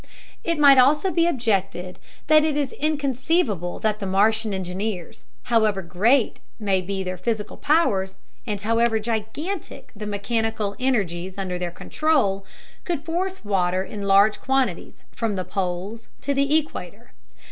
It might also be objected that it is inconceivable that the Martian engineers, however great may be their physical powers, and however gigantic the mechanical energies under their control, could force water in large quantities from the poles to the equator.